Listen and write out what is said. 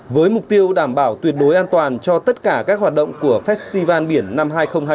với mục tiêu đảm bảo tuyệt đối an toàn cho tất cả các hoạt động của festival biển năm hai nghìn hai mươi